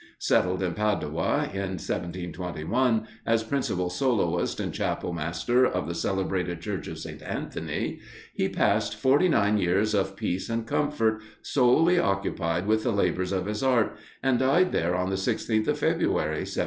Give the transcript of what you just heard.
Settled in Padua in 1721, as principal soloist and chapel master of the celebrated church of St. Anthony, he passed forty nine years of peace and comfort, solely occupied with the labours of his art, and died there on the 16th of February, 1770.